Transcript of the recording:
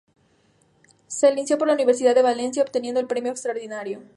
Se licenció por la Universidad de Valencia, obteniendo el premio extraordinario.